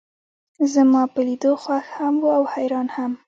زما پۀ لیدو خوښ هم و او حیران هم.